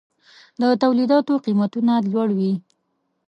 د تولیداتو قیمتونه لوړوي.